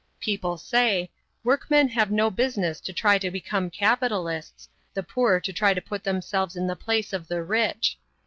People say, "Workmen have no business to try to become capitalists, the poor to try to put themselves in the place of the rich."